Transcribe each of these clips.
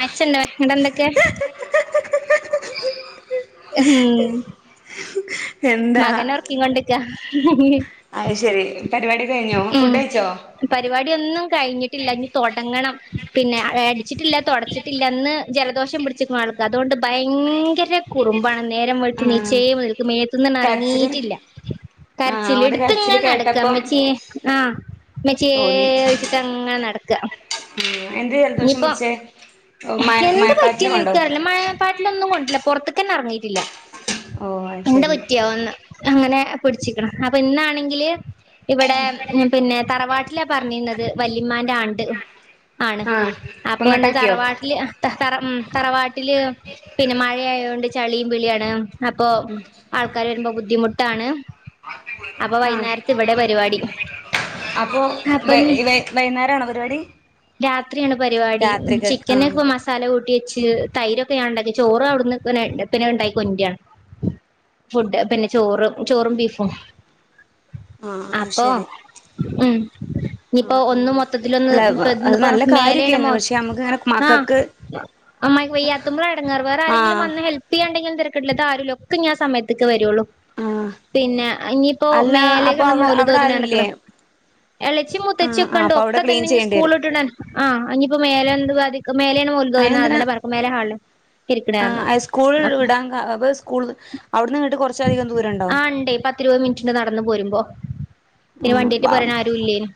[unintelligible] എന്തൊക്കെ ഉം മകനെ ഒറക്കിംകൊണ്ടിരിക്ക്യാ അയ്ശെരി പരിപാടി കഴിഞ്ഞോ ഉം ഫുഡയിച്ചോ ഇല്ല ഇനി തൊടങ്ങണം, പിന്നെ അടിച്ചിട്ടില്ല തൊടച്ചിട്ടില്ല ഇന്ന് ജലദോഷം പിടിച്ചക്കണു ആൾക്ക്, അതുകൊണ്ട് ഭയങ്കര കുറുമ്പാണ് ആഹ് നേരംവെളുത്തെണീച്ചേ മുതൽക്ക് മേത് ത്ത്ന്ന് കരച്ചില് ഇറങ്ങീട്ടില്ല ആഹ് കരച്ചില് ഓന്റെ ഇടുത്ത് കരച്ചില് ഇങ്ങനെ നടക്കാ കേട്ടപ്പം ഉമ്മച്ചിയെ ആഹ് ഇമ്മച്ചിയേ തോന്നി ചോയിച്ചിട്ട് അങ്ങനെ നടക്കാ എന്തേ ജലദോഷം പിടിച്ചേ മ എന്ത് മയപ്പാറ്റല് കൊണ്ടോ ല്ല പുറത്തക്കന്നെ ഇറങ്ങീറ്റില്ല ഓഹ് അത് എന്റെ ശരി കുറ്റിയാവ ഒന്ന് അങ്ങനെ പിടിച്ചിക്കണം അപ്പൊ ഇന്നാണെങ്കില് ഇവിടെ ഉം പിന്നെ തറവാട്ടിലാ പറഞ്ഞിരുന്നത് വല്ലിമ്മാന്റെ ആണ്ട് ആണ് ആഹ് ഇപ്പൊ അപ്പൊ ഇന്ന് ഇങ്ങട്ടാക്കിയോ തറവാട്ടില് തറ ഉം തറവാട്ടില് പിന്നെ മഴയായോണ്ട് ചളിയും പിളിയാണ് അപ്പൊ ആൾക്കാര് വരുമ്പോ ബുദ്ധിമുട്ട് ട്ടാണ് ആ അപ്പൊ അപ്പൊ വൈ നി വൈ വൈന്നേരാണോ പരിപാടി രാത്രിയാണ് പരിപാടി രാത്രികക്ക് ആഹ് ചിക്കനൊക്കെ മസാല കൂട്ടി ച്ചിര് തൈര് ഒക് [unintelligible] ചോറും അവിടുന്നൊക്കെ [unintelligible] പിന്നെ ഉണ്ടായി കൊൻ്റാണ് ഫുഡ് പിന്നെ ചോറ് ചോറും ബീഫും ആഹ് അത് അപ്പൊ ശരി ഉം ഇനിപ്പോ ആഹ് ഒന്നു ആഹ് മൊത്തത്തിലൊന്ന് അല്ല അത് ന്ന്പ്പ നല്ല മേലണമ്മ കാര്യൊക്കെയാണ് പക്ഷെ നമുക്ക് ഇങ്ങനെ ആ മക്കക്ക് അമ്മായ്ക്കു വയ്യാത്തുമ്പോ എടങ്ങാറ് വേറെ ആങ്കിലും ആഹ് വന്ന് ഹെല്പ് ചെയ്യാണ്ടങ്കി തരക്കേടില്ല ഇത് ആരെ ലൊക്ക ഇനിയാ സമയത്തേക്കൊ വരുള്ളൂ. ആഹ് പിന്നെ ഇനിപ്പോ അല്ല അപ്പൊ മേലെക്ക അവിടെ അവിടെ മൗലദോദനനക്കട ആരുല്ലേ ഇളച്ചി ആ മുത്തച്ചി ആ ഒക്കെണ്ട അപ്പൊ അവിടെ ഒക്കെ ക്ലീൻ തന്നെ ഇഞ്ഞ് ചെയ്യേണ്ടി വരും സ്കൂളുട്ടണ് ആ അനിയിപ്പോ മേലെ എന്തു മേലെയാണ് [unintelligible] അയിനെന്തിനാ അതിന്റെ പരക്കം പായലാ ഹാളില് ഇരിക്കണേ പറഞ്ഞു ആ സ്കൂൾ അപ്പ ഇടാൻ അ ബ് സ്കൂൾ അവിടുന്ന് ഇട്ട് കുറച്ചധികം ദൂരണ്ടോ ആഹ് ഇണ്ടേ പത്തിരുപത് മിനിറ്റ്ണ്ട് നടന്ന് പോരുമ്പോ പിന്നെ ഉം വണ്ടിയേറ്റ് അ പോരാൻ ആരും ഇല്ലേനു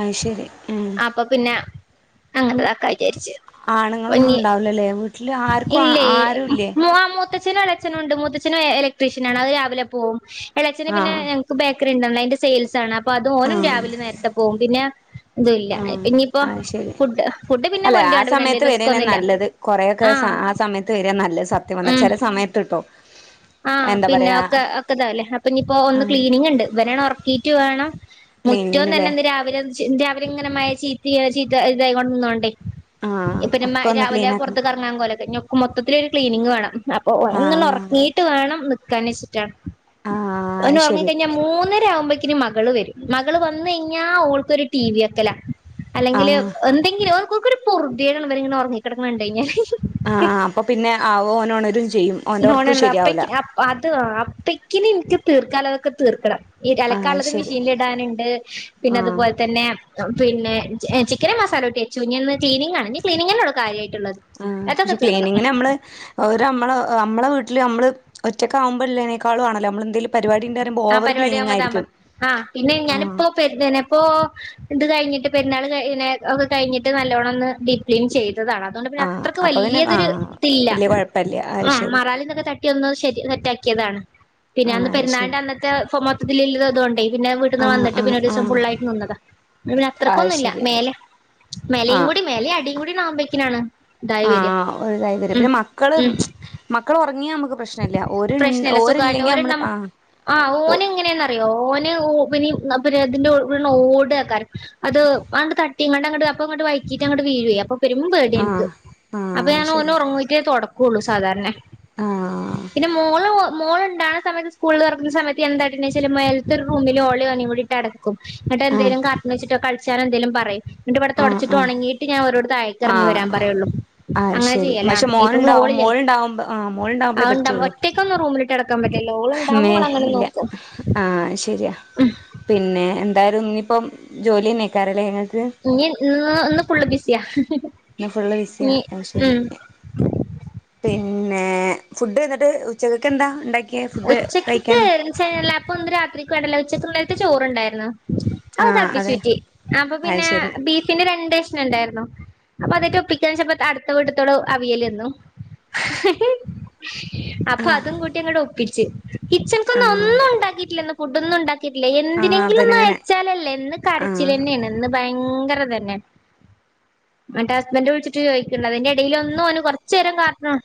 അയ്ശരി. അപ്പൊ പിന്നെ അങ്ങനക്കായി. ആണുങ്ങളൊന്നും [unintelligible] ഉണ്ടാവൂലല്ലേ വീട്ടില് ആർക്കും ഇല്ലേ ആരുല്ലേ മൂ ആ മൂത്ത് അച്ഛനും എളഛനും ഉണ്ട് മുത്തച്ഛനും ഇലക്ട്രീഷ്യനാണ് അത് രാവിലെ പോവും. എളച്ചന് ആ പിന്നെ ഞങ്ങക്ക് ബ ക്കറി ഉണ്ട് അതിന്റെ സെയിൽസ് ആണ്. അപ്പൊ അത് ഓനും രാവിലെ നേരത്തെ പോവും പിന്നെ ഇതുല്ല ആ പിന്നിപ്പോ ആ ശരി ഫുഡ് ഫുഡ് പിന്നെ അല്ലെ ആ കൊണ്ടരണ്ട് പിന്നെ വല്യ സമയത്ത് വരാനെ റിസ്ക്കൊന്നുല്ല നല്ലത് കൊറെക്കെ ആഹ് ആ സമയത്ത് വരിൻ നല്ലത് സത്യം വന്നാ ചില സമയത്ത് കേട്ടോ. ആ പിന്നെ ഒക്കെ ഒക്കെ ഇതാവല്ലേ അപ്പൊ ഇനിപ്പോ ആ ഒന്ന് ക്ലീനിങ് ഉണ്ട് ഇവനാണ് ഉറക്കീട്ട് വേണം മുറ്റം തന്നെ ക്ലീനിങ്ങിനല്ലേ എന്ത് രാവിലെ ചിന്തി അവരിങ്ങനെ ചീത്തി ചീത്ത ഇതായ കൊണ്ട് നിന്നോണ്ടേ ആ ഇപ്പ ഒക്കെ ഒന്ന് രാവിലെ ക്ലീൻ പുറത്ത് ആക്കണം കറങ്ങാൻ പോലക്കെ ക്ക് മൊത്തത്തിലൊരു ക്ലീനിക് വേണം. അപ്പൊ ആ ഓനന്നണ് ഒറങ്ങി നിക്കാനിച്ചിട്ടാണ്. ആ ഓന് അത് ശരി ഉറങ്ങിക്കഴിഞ്ഞാൽ മൂന്നര ആവുമ്പോക്കിന് മകള് വരും മകള് വന്ന് കയിഞ്ഞാ ഓൾക്കൊരു ടി വി വെക്കലാ അല്ലെങ്കില് ആഹ് എന്തെങ്കിലും ഓക്കൊരു പൊറുതിയേട് ഇവരിങ്ങനെ ഉറങ്ങിക്കിടക്കണേ കണ്ട് കയിഞ്ഞാല്. ആ അപ്പൊ പിന്നെ ആവോ ഓനൊണരും ചെയ്യും. ഓന്റെ ഒർക്ക് [unintelligible] ശരിയാവൂല അപ്പയ്ക് അപ് അത് അപ്പക്കിനി നിയ്ക്ക് തീർക്കാലതൊക്കെ തീർക്കണം. ഈ ആഹ് അലക്കാനിള്ളത് ശരി മെഷീനിൽ ഇടാനിണ്ട് പിന്നെ ആഹ് അതുപോലെ തന്നെ പിന്നെ ചിക്കന് മസാലോരിട്ടിവെച്ചു ഇനിയിന്ന് ക്ലീനിങ്ങാണ് ഇനി ക്ലീനിങ്ങനൊള്ളു കാര്യാ ആ പക്ഷെ ക്ലീനിംഗിനമ്മള് ഓര് മ്മളെ മ്മളെ വി ട്ടില് നമ്മള് ഒറ്റക്കാവുമ്പളതിനേക്കാളാണല്ലോ നമ്മള് എന്തേലും പരിപാടി ഇണ്ട് പറയുമ്പോ ആ ഓവർ പരിപാടി ക്ലീനിങ് ആവുമ്പാ താൻ വാ ആയിരിക്കും ആ പിന്നെ ആഹ് ഞാനിപ്പോ പെരുതെനെ ഇപ്പൊ ഇത് കഴിഞ്ഞിട്ട് പെരുന്നാൾ [unintelligible] ഒക്കെ കഴിഞ്ഞിട്ട് നല്ലോണം ഒന്ന് ഡീപ്പ്ക്ലീൻ ചെയ് താണ് അതൊണ്ട് പിന്നെ ആഹ് അത്രയ്ക്ക് അപ്പൊ പിന്നെ വലിയതൊരു ആഹ് തില്ല വല്യ കൊഴപ്പല്ല അത് ആഹ് ശരി മറാലിനിനൊക്കെ തട്ടി ഒന്ന് ശരി സെറ്റാ കെതാണ് പിന്നെ ആഹ് അന്ന് അത് ശരി പെരുന്നാളിൻ്റെ അന്നത്തെ ഫൊമൊത് [unintelligible] അതുകൊണ്ടേ പിന്നെ വീട്ടീന്ന് ആഹ് വന്നിട്ട് ആഹ് പിന്നെ ഒരുസം ആഹ് ഫുള്ളായിട്ട് നിന്നതാ പിന്നെ അത് അത്രയ്ക്കൊന്നുല്ല ശരി മേലെ മേലയും ആഹ് കൂടി മേലെ അടിയും കൂടി ആവുമ്പോഴേക്കിനാണ് ഇതായി വര്യ ആഹ് ഒരിതായി ഉം-ഉം നിയമ പ്രശ്നല്ല സുഖായിട്ട് ഒരണ്ണം ആഹ് ആ ഓന് എങ്ങനെന്നറിയോ ഓന് ഓ പ്പിനി അന്നാ പിന്നെ [unintelligible] ഓടാ ആക്കാറ് അത് അ തട്ടി ഇങ്ങാണ്ട അങ്ങട് അപ്പ അങ്ങട്ട് വൈകീട്ട് അങ്ങോട് വീഴേ അപ്പൊ പെരും പേടിയാ നിക്ക് ആഹ് അപ്പൊ ആഹ് അത് ഞാൻ ഓൻ ശരിയാ ഉറങ്ങുമ്പോഴേക്കും തുട കൂളു സാധാരണെ ആഹ് പിന്നെ മോള് മോൾ ഉണ്ടാണ സമയത്ത് സ്കൂള് തുറക്കുന്ന സമയത്ത് എന്തായിട്ടെന്നേച്ചാല് മേൽത്തെ ഒരു റൂമില് ഓളേം ഓനേം കൂടിട്ട് അടക്കും എന്നിട്ട് ആഹ് എന്തേലും കാർട്ടൂൺ വെച്ചിട്ടോ കള ച്ചനെന്തേലും പറയും ന്നിട്ടിവിട്ടെ ആഹ് തൊടച്ചിട്ട് ആഹ് ഒണങ്ങിയിട്ട് ഞാൻ ഓരോട് താഴേക്ക് ഇറങ്ങി ആഹ് വരാൻ പറയുള്ളു ആഹ് അങ്ങനെ ശരി ചെയ്യല പക്ഷെ ഇപ്പൊ മോനുണ്ടാവും മോളില് മോളുണ്ടാവുമ്പോ ആഹ് ആ മോളുണ്ടാവുമ്പളേ ഉണ്ട പറ്റുള്ളൂ ഒറ്റക്ക് ഒന്നും റൂമില് മേ ഇല്ല ആഹ് ശരി പിന്നെ ന്തായാലും ഇനിപ്പം ജോലി നേക്കാറില്ലേ നിങ്ങ നി ഇന്ന്-ഇന്ന് ഫുള്ള് ബിസിയാ എന്നാ ഫുള്ള് വിസിയ ഇനി ശ ഉം പിന്നെ ഏ ഫുഡ് എന്നിട്ട് ഉച്ചക്കൊക്കെ എന്താ ഉണ്ടാക്കിയേ ഫുഡ് കഴിക്കാന് ഉച്ചക്ക്ക്ക്ല്ല അപ്പൊ ഒന്ന് രാത്രിക്ക് വേണ്ടല്ല ഉച്ചക്ക്ണ്ട ചോറുണ്ടായിരുന്നു ആഹ് തബി അതെ ചുറ്റി അപ്പൊ അത് പിന്നെ ശരി ബീഫിന് രണ്ടഷ്ന ഇണ്ടായിരുന്നു അപ്പൊ അതേറ്റ ഒപ്പിക്ക ശപ്പ അടുത്ത വടുത്തോളം അവിയലന്നു അപ്പൊ ആഹ് അതും കൂട്ടി അ പിടിിച്ചച്ച് കിച്ചനിക്കൊന്ന ആഹ് ഒന്നും ഉണ്ടാക്കിയിട്ടില്ലെന്ന് [unintelligible] ആഹ് എന്തിനെങ്കില ഒന്നും അപ്പനങ്ങനെ അയച്ചാലല്ല എന്ന് കരച്ചിൽ ആഹ് തന്നെയാണ് ഭയ [unintelligible] തെന്നെ മറ്റെ ഹസ്ബൻറ് വിളിച്ചിട്ട് ചോയ്ക്കുന്നതിന്റെ എടേലൊന്നോന് കൊറചേരം കാർട്ടൂൺ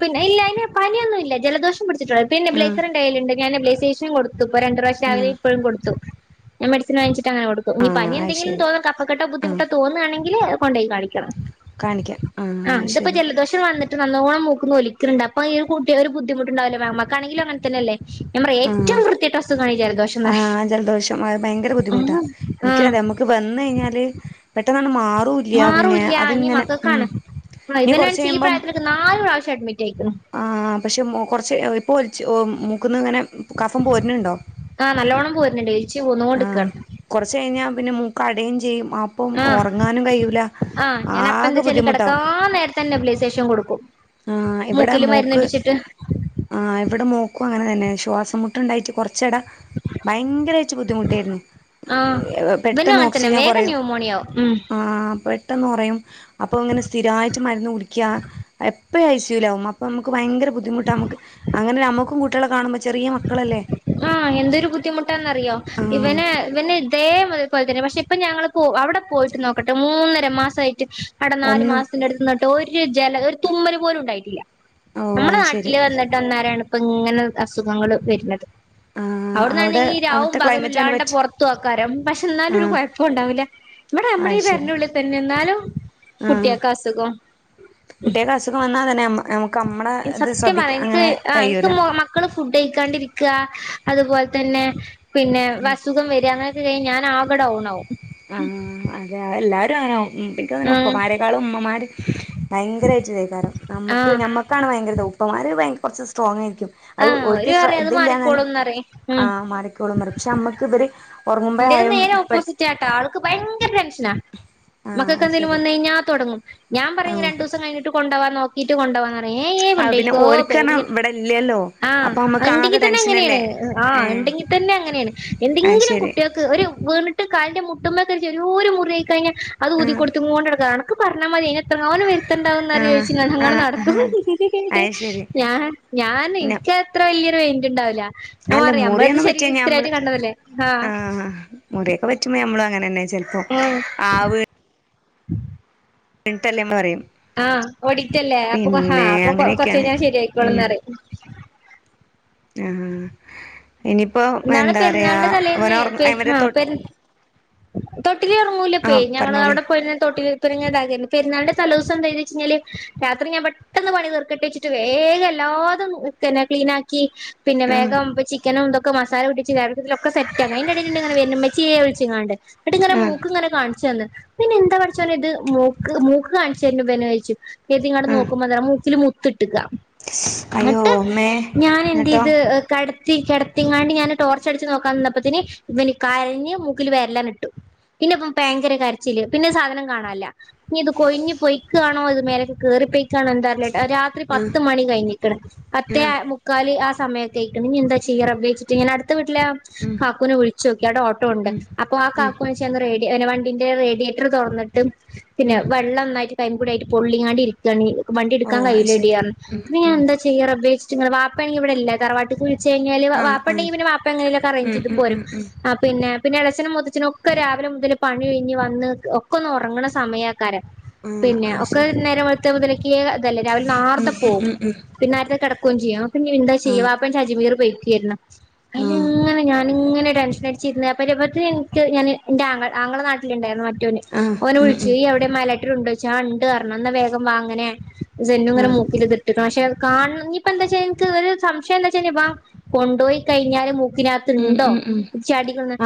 പിന്നെ ഇല്ലായ്മ [unintelligible] പനിയൊന്നുംല്ല ജലദോഷം പിടിച്ച് ആഹ് പിന്നെബ്ലസ്റ്റിറിന്റെ [unintelligible] ലുണ്ട് ഞനെ ല്ലസേഷ കൊടു ഇത്പ്പൊ രണ്ടി റാഷ ആഹ് [unintelligible] ഇപ്പോഴും കൊടുത്തു ഞാൻ മെഡിസിൻ വങ്ങിച്ചു അങ്ങെനെ കൊടുക്കും ഈ ആഹ് പനി അത് എന്തെങ്കിലും ശരി തോന്നും കെട്ട ആഹ് ബുദ്ധിമുട്ടോ തോന്നുണെങ്കിൽ അ കൊണ്ടൈകാളി ക്ക കാണിക്കാം ആഹ് ആ അത് ഇതപ്പോ ശരി ജലദോഷം വന്നി റ്റ് നല്ലോണം മൂക്കിന്ന് ഒലിക്ക്ണ്ട്അപ്പ ഈ കട്ട ഒരു ബദ്ധിമുട്ടുണ്ടാവല്ലോ ഞമ്മക്കാണെങ്കിലു അങ്ങനത്തന്നെല്ലേ ആഹ് ജലദോഷം എന്ന് ആഹ് ജലദോഷം ഭയങ്കര ബുദ്ധിമുട്ടാ പറയും ആ എനിക്കത നമുക്ക് വന്നഴി ഞ്ഞാല് പെട്ടെന്ന് ന്ന്മാറൂല പിന്നെ മാറൂല്ല ഇനി അതിങ്ങനെ ഉം മക്കൾക്കാണ് ആ ഇനി ഇവനാണെങ്കി ഈ കൊറ്ച്ചയുമ്പം പ്രായത്തിലൊക്കെ നാല് പ്രാവശ്യം അഡ്മിറ്റ് ആയിക്കണ് ആഹ് പക്ഷെ [unintelligible] പ്പൊൽച്ച് ഒ മൂക്ക്ന്ന് ഇങ്ങനെ കഫം പോര്‌ന്ണ്ടോ ആഹ് നല്ലോണം പോരുന്നുണ്ട് എലിച്ച് ആഹ് പോന്നോണ്ട്ക്കാണ് കൊറച്ചഴി ഞ്ഞാ പിന്നെ മൂ കടയും ചെയ്യും അപ്പ ആഹ് ഉറങ്ങാനും കഴിയൂല ആഹ് ഞാൻ അപ്പ ആകെ എന്താച്ചാല് ബുദ്ധിമുട്ടാകും കിടക്കാൻ നേരത്തന്നെ നെബുലൈസേഷൻ കൊടുക്കും ആഹ് ഇവ്ടെ മൂക്കില് മോക്ക് മരുന്നിടിച്ചിട്ട് ഇവ്ടെ മോക്ക് അനേഷ് തോസമട്ടുണ്ടായിട്ട് കൊറച്ച് ചെടാ ഭയങ്കരായിട്ട് ബുദ്ധിമുട്ടേരുന്നു ആഹ് [unintelligible] ഇവനും പെട്ടെന്ന് അങ്ങനെ തന്നെ ഓക്സിജൻ വേഗം കുറയും ന്യൂമോണിയാവും ഉം ആഹ് പെട്ടെന്ന് ട്ടെന്നൊറിയും അപ്പോൾ ഇങ്ങനെ സ്ഥിരമായിട്ട് മരുന്ന് കുടിക്ക്യാ ഇപ്പ ഇ ഐ സ്യുലാവും അപ്പൊമ്മക്ക് ഭയങ്കര ബുദ്ധി ബുദ്ധിമുട്ടമ്മക്ക് അങ്ങനെ നമുക്കും കു ട്ട്യാളെ കാണുമ ആഹ് എന്തൊരു ബുദ്ധിമുട്ടന്നറിയോ ആഹ് ഇവന ഇവന്നെ ഇതേ പോലെ തന്നെ പക്ഷെ അപ്പൊ ഞങ്ങള് പോ അവിടെ പോയിട്ട് നോക്കട്ടെ മൂന്നര മാസായിട്ട് അടെ നാല് ഒന്നും മാസത്തിന്റെ അടുത്ത്ന്നിട്ട് ഒരു ജലം ഒരു തുമ്മല് പോലും ഉണ്ടായിട്ടില്ല ഓ നമ്മടെ അത് ശരി നാട്ടില് വന്നിട്ട് അന്നേരാണ് ഇപ്പ ങ്ങനെ അസുഖങ്ങള് വര്ന്നത് ആഹ് അവിടെ അവിടന്നാണെങ്കി രാവും അവിടുത്തെ പകലും ക്ലൈമറ്റ് അവന് ഇല്ലാണ്ട പറ്റി പൊറത്തു ആക്കാരും പക്ഷെ എന്നാലും ഒരു ആഹ് കുഴപ്പം ണ്ടാവില്ല ഇവിടെ നമ്മളീഈ അത് ശരി പരന്റുള്ളി തന്നെ എന്നാലും ആഹ് കുട്ടികൾക്ക് അസുഖം കുട്ട്യേക്ക് അസുഖം വന്നാ തന്നെമ്മ [unintelligible] അമ്മ സത്യം പറയാ ഇൻക്ക് ആഹ് കഴിയൂല മക്കള് ഫുഡ് കഴിക്കാണ്ടിരിക്ക അതുപോലെ അഹ്തന്നെ പിന്നെ വസുഖം വര അങ്ങനെയൊ കഴിഞ്ഞാൻ ആക ഡൗണാകും ആ അതെ അല്ലാരും ആങ്ങാനാകും ഉ പിനിക്ക അങ്ങനെ ഉം ഉപ്പമാരെേക്കാളും ഉമ്മമാര് ഭയങ്കരയിറ്റ് തൈക്കാരം നമുക്ക് ആഹ് മ്മക്കാണ് ഭയങ്കര ഉപ്പമാര്- കുറച്ച് സ്രോങ് യി് അത് ആഹ് ഒര് ഓര് പറയും അത് ശ്രദ്ധയില്ലന്ന് തെ മാറിക്കോളുംന്നറിയും ആ ഉം മാറിക്കോളും ക്ഷെ നമ്മക്ക് ഇവര് എന്റെത് ഉറങ്ങുമ്പോഴായും നേരെ പെ ഓപ്പോസിറ്റ് ആട്ടാ ആൾ ഭയങ്കര ഇഷ് ആഹ് അത് മക്കൊക്കെന്തേലും ശരി വന്ന കഴിഞ്ഞാ തുടങ്ങും ഞാൻ പറയും ആഹ് രണ്ടു ദിവസം കഴിഞ്ഞിട്ട് കൊണ്ടോവാൻ നോക്ക ഈറ്റ് കൊണ്ടോവന്ന [unintelligible] ആഹ് പിന്നെ ഓര്ക്കർഞ്ഞാ ഇവിടെ ഇല്ലല്ലോ ആ അപ്പൊ നമ്മക്ക് ആകെ ണ്ടെങ്കിൽ തന്നെ അങ്ങനെയാണ് ടെൻഷനല്ലേ ആ ഏഹ് ഉണ്ടെങ്കിൽ തന്നെ അങ്ങനെയാണ് അത് ശരി എന്തെങ്കിലും വീണിട്ട് കാലന്റെ മുട്ടുമമ്മക്ക് ഒരോരു മുറിയയി കഴിഞ്ഞാൽ അത് ആഹ് ഊതിക്കൊടുത്തോണ്ട് ടക്കാണ് പറഞ്ഞാ മതി തോനെ ആഹ് വരുത്തണ്ടാവുംന്ന്ച്ച അങ്ങനെ നടത്തും ആഹ് അത് ശരി ഞൻ ഞാൻ ന്ക്ക് ഇത്ര വലിയ മൈന്റ്ണ്ടാവില്ല ഒ അല്ല അറിയാം നമ്മളത് ശരി വിസ്രായിട്ട് കണ്ടതല്ലേ ആഹ് ആ മുറിയൊക്കെ വച്ചുമ്പോ നമ്മള അങ്ങനെ തന്നെ ചിലപ്പോ ആഹ് ആ വീ [unintelligible] പറയും ആഹ് ഓടിച്ചല്ലേ അപ്പൊ പിന്നെ അപ്പൊ കൊ കൊറച്ച അങ്ങനെയൊക്കെയാണ് കഴിഞ്ഞാൻ ശരിയാക്കോളന്നറിം ആ ന്നാൾ പെര്ന്നാൾൻ്റെ തലേന്നെ ഒറ അവരെ പെര്ന്നാ തൊ പെര് തൊട്ടിലീ ഒർങ്ങൂലപേ ആഹ് ഞങ്ങള് പറഞ്ഞോളി അവടെ പോയെന്നാരെ തൊട്ടിലീ [unintelligible] പെര്ന്നാൾൻ്റെ തലോസം എന്തേയ്ദ്ചയ്ഞാല് രാത്രി ഞാൻ പെട്ടന്ന് പണി തീർകട്ടെച്ച്ട്ട് വേക എല്ലാതും ഒക്കെന്നെ ക്ലീനാക്കി പിന്നെ ആഹ് വേഗാവുമ്പോ ചിക്കനും തൊക് ഒകെ മസാല കൂട്ടിയെച്ച് [unintelligible] അയിൻ്റെടേല്ണ്ട്ങ്ങനെ വെര്ണ് ഇമ്മചിയേ വിൾച്ങ്ങാണ്ട് ണട്ട്ങ്ങനെ ആഹ് മൂക്ക്ങ്ങനെ കാൺചെന്ന് പിന്നെന്താ പടച്ചോനെ ത് മൂക് മൂക് കാൺചെര്ണെ വന് ചോയ്ച്ചു കെര്തിങ്ങാണ്ട് ആഹ് നോക്കുമ്പോണ്ടല്ലോ മൂക്ക് മൂക്കിൽ മുത്ത് ഇട്ട്കാ അയ്യോ ന്ന്ട്ട് മ്മേ എന്നിട്ടോ ഞാനെന്തെയത് കട തീ കെട ത്തിങ്ങാണ്ട് ഞാന് ട്ടോർചട്ച്ച് നോക്കാനിന്നപ്പത്തിന് ഇവൻ കരഞ് മൂക്ൽ വെരലാട്ട്ട്ടു പിന്നെവൻ ഭയങ്കര കര്ചില് പിന്നാസാധനം കാണാൻല്ല ഞ് ഇത് കൊഴിഞ്ഞ് പൊയി കാണോ ഇത് മേലക്ക്‌ കേറിപേയി കാണോ എന്താറീലട്ടോ രാത്രി ആഹ് പത്ത് മണി കയിഞ്ക്ണ് പത്തേ ആഹ് മുക്കാല് ആ സ സമയൊകയ്ക്ക്ണ് ഇഞെന്താ ചെയ്യാ റബ് വെയ്ച്ട്ട് ഞ്ഞനട് അട്ത്തെ വീടിലാ ഉം കാക്കൂനെ വിൾച്ചോകി ആടേ ഓട്ടോണ്ട് ഉം അപോ ആ ഉം കാക്കൂന്ന്ചാ അന്നാ റേഡി വണ്ടിന്റെ റെഡിയേറ്റർ തോർന്ന്ട്ട് പിന്നെ ഉം വെള്ളൊന്നായിട്ട് കൈമക്കൂടായിട്ട് പൊള്ളിങ്ങാണ്ട് ഇര്ക്കാണ് ഈ വണ്ടിട്കാൻ ഓഹ് അത് ശരി കയ്യൂലെഡീയർഞ് ഉം പിന്നെ ഉം ഞൻന്താ ചെയ്യാ റബ്ബേ ച് [unintelligible] വാപേണങ്കി വടെല്ല തറവാട്ട്ക് വിൾ ചെയ്ഞാല് വാപ് ആഹ് ആഹ് വാപ്പണ്ടെങ്കി വാപ്പേങ്ങനേലൊകെ ഉം അറേഞ്ജെയ്ത് ഉം പോരും ഉം ഉം ആ പിന് പിന്നേ എളഛനും മൂത്തഛനൊകെ രാവിലെ മുതല് പണി കയ്ഞ് വന്ന് ഒകൊന്ന് ഒറങ്ങ്ണ സമയാ കാരം ആഹ് പിന്നെ അത് ഒക്കെ ശരി നേരം വെൾത്ത മുതല് ക്കേ തല്ലെ രാവിലെ ന്നാർത്ത ഉം പോവും ഉം ഉം പിന്നാട്തെ കട കൊഞ്ചിയാ പം ഞ് എന്താ ഉം ചെയ്യാ ആഹ് വാപ്പേണ്ചാ അജ്മീറ് പൊയ് കേര്ന്ന് ആഹ് അയ്ന്ങ്ങനെ ഞാൻ ങ്ങനെ ടെൻഷനട്ച്ചിര്ന്ന് [unintelligible] ഇൻക് ഞാന് ഇൻ്റെ ആങ്ങൾ ആങ്ങള നാട്ടില്ണ്ടായിരുന്നു അ ആഹ് ഓന ഉം ഉം വിളിച്ച്വിടെ മല [unintelligible] ണ്ടോച്ചാ ഉണ്ട് കരണം എന്നാ വഗം വാങ്ങനെ ജെെന്നുംങ്ങെ ആഹ് മൂക്കില്തിട്ട് പക്ഷെ കാണപ്പ എന്താച്ച എനിക്ക് സംശം എന്താ വെച്ചപ്പാ കൊണ്ട്പോയി കഴിഞ്ഞം ത്തിതിനകത്ത് ഉം ഉണ്ടോ ഉം ഉം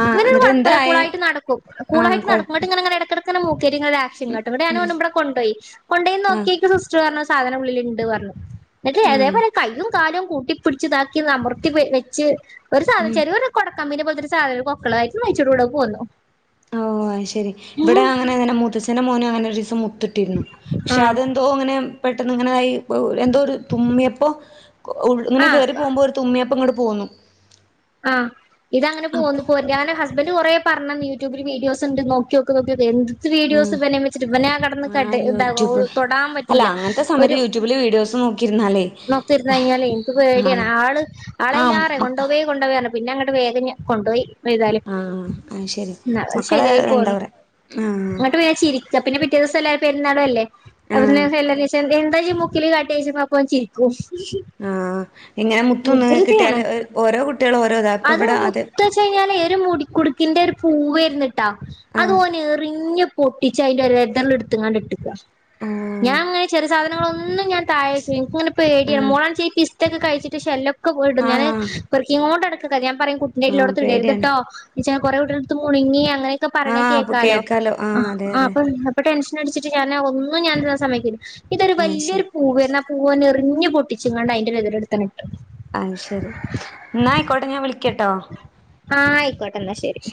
ആഹ് എന്നിട്ട് കുഴപ്പമില്ല എന്തായേ കൂളായിട്ട്ക്കും ആഹ് കൂളായിട്ട് കൊഴ നടക്കും എന്നട്ട് ഇങ്ങന അങ്ങനെ ഇട [inaudible] ഉം ആക്ഷൻകാട്ടുംഞാനും ഉം ഓനും ഇവിടെ കൊണ്ടോയി പോയി ആഹ് നോക്കിയെപ്പോ സിസ്റ്റർ പറഞ്ഞു സാധനം ഉള്ളിൽ ഉണ്ട് പറഞ്ഞു ആഹ് ഇതേപോലെ കയ്യും കാലം കൂട്ടിപിടിച്ചുതാക്കി അമൃത്തി ച് ഒരു സാ ഉം [unintelligible] കമ്മിനി പോൽതൊരു സാധര കൊക്കള്ളായി [unintelligible] ഓ അഹ് ശരി ഇവിടെ അങ്ങനെ എന മൂത്തഛന്റെ മോന് അങ്ങനെ ഒര് സമൂ ത്തിട്ടിര്ന്നു ക്ഷെ ആഹ് അതെന്തോ അങ്ങനെ പെട്ടെന്ന് ങ്ങനായി പൗ എന്തോ ഒരു തുമ്മിയപ്പോ ഉ ഇങ്ങനെ ആഹ് കേറി പോഉമ്പോ ഒരു തുമ്മിയപ്പോ ഇങ്ങട് പോന്നു ആഹ് ഇതങ്ങനെ പോന്ന് അപ്പൊ [unintelligible] ബല് കുറെ പർന്നെന്നീ യൂട്യൂബില് വീഡിയോസ് ണ്ട് നോക്യോക് ഒക്യോക് എന്ത് സ് ഉം വീഡിയോസ് പ്പ നിയമിച്ചിട്ട് ഇവനെ കടന്ന് കട് ആഹ് ഇതാവോ യൂട്യൂബ് തൊടാൻ അല്ല പറ്റുന്നില്ല അങ്ങനത്തെ സമയത്ത് ഒരു യൂട്യൂബില് വീഡിയോസ് നോക്കിയിരുന്നാലേ നോക്കിര്ന്നേയ്ഞ്ഞാല് ഇൻക് പേടിയാണ് ആഹ് ആള് ആഹ് ആളെയ്ലാറെ മക്ക കൊണ്ടൊവി കൊണ്ടോവി ർഞ് പിന്നെ അങ്ങട്ട് വേഗം ഞ് കൊണ്ടോയി പെയ്താലും ആഹ് അത് ശരി ന്ന അഹ് മക്കള് ശരിയായി എന്താ പോന്നു പറയാ ആഹ് ങ്ങോട്ട് പോയെ ചിരിക്ക പിന്നെ പിറ്റേ ദിവസം എല്ല പെരുന്നാള് അല്ലേ അത് പിന്നെ ആഹ് [unintelligible] എന്താ ജി മുക്കില് കാട്ടി യ്ച്ചപ്പൊ അപ്പൊ ഓൻ ചി [unintelligible] ആഹ് ഇങ്ങനെ മുത്തൊന്ന് വികൃതിയാണ് കിട്ടിയാല് ഹ് ഓരോ കുട്ട്യേളും ഓരോ താ പ്പൊ ഇവിടെ അത് ത് മുടിക്കുടുക്കിന്റെ ഒരു പൂവായ്രുന്നു ട്ട അത് ആഹ് ഓനെറിഞ്ഞ് പൊട്ടിച്ച് അയിന്റെ ഒരെദള് എടുത്ത്ങ്ങാണ്ട്ട്ട്ക്ക ആഹ് ഞാൻ ങ്ങനെ ചെറിയ സാധനങ്ങളൊന്നും ന്നും ഞാൻ തഴേക് ഇൻക് ങ്ങനെ പേടിയ ആഹ് മോൻ ചെയ്പിസ് തൊക്കെക്കെ കഴിച്ചിട്ട് ശല്ലം ക്കെ പോയിടും ഞാന് ആഹ് പെർക്കിങ്ങോണ്ടട് ക് കല്യാണം പറയും കുട്ട്നെ ആഹ് ഇള്ളോടത്ത് ഇടേ പേടിയാണ് രുത്ട്ടോ ചെ കുറെ കുട്ടിളെടുത്ത് മുൺങ്ങിയാ ങ്ങനെയ്ക പറിണെ ആഹ് അപ്പൊ കേക്കാലോ കേൾക്കാലോ ആഹ് അതെ അ അതെ പ പ്പ ടെൻഷ ന്നടിച്ചിട്ട് ഞാൻ ന്ന ഒന്നും ഞാൻ ടാൻ സമ്മയിക്കൂല്ല ഇതൊരു ആഹ് ശരി വല്യയൊരു പൂവാര്ന്നു ആ പൂവിനെർ കുഞ്ഞു പൊട്ടിച്ങ്ങാണ്ട് അയിന്റെ ദള്ടുത്തങ്ങിട്ടു അ ശരി എന്നായിക്കോട്ടെ ഞാൻ വിളിക്കട്ടോ ആ ആയിക്കോട്ടെ എന്നാ ശരി